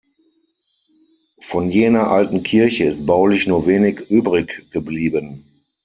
Von jener alten Kirche ist baulich nur wenig übriggeblieben.